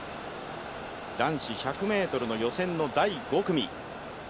男子１００ｍの予選の第５組。